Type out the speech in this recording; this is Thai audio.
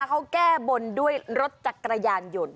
มาเขาแก้บนด้วยรถจักรยานหยุ่น